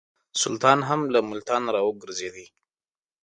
سلطان هم له ملتانه را وګرځېدی.